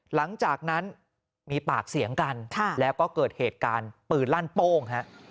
หลังจากนั้นมีปากเสียงกันแล้วก็เกิดเหตุการณ์ปืนลั่นโป้งฮะ